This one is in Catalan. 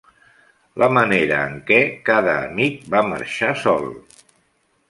La manera en què cada amic va marxar sol.